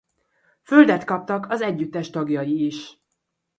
Földet kaptak az együttes tagjai is.